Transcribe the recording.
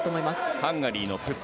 ハンガリーのプップ